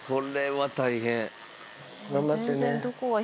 頑張ってね。